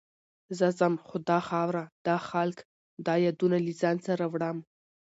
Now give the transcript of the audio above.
زه ځم، خو دا خاوره، دا خلک، دا یادونه له ځان سره وړم.